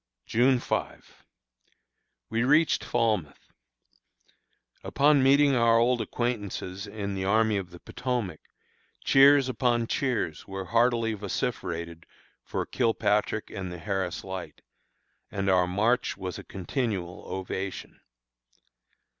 June 5. We reached Falmouth. Upon meeting our old acquaintances in the Army of the Potomac, cheers upon cheers were heartily vociferated for Kilpatrick and the Harris Light, and our march was a continual ovation.